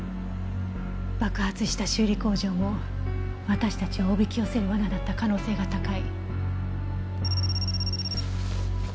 爆発した修理工場も私たちをおびき寄せる罠だった可能性が高い。